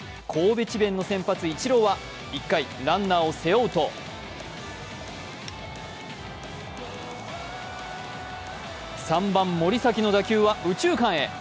ＫＯＢＥＣＨＩＢＥＮの先発・イチローは１回、ランナーを背負うと３番・森崎の打球は右中間へ。